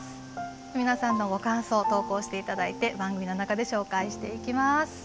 皆さんのご感想を投稿して頂いて番組の中で紹介していきます。